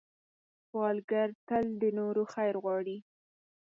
سوالګر تل د نورو خیر غواړي